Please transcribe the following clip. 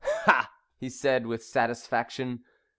"Ha!" he said, with satisfaction.